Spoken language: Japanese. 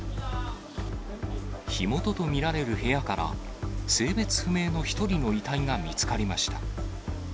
火元と見られる部屋から、性別不明の１人の遺体が見つかりました。